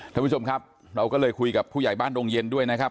ท่านผู้ชมครับเราก็เลยคุยกับผู้ใหญ่บ้านโรงเย็นด้วยนะครับ